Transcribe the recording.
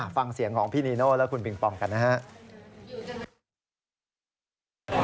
ฟังเสียงของพี่นีโน่และคุณปิงปองกันนะครับ